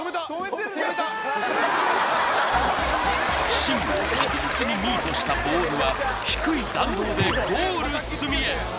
芯を確実にミートしたボールは低い弾道でゴール隅へ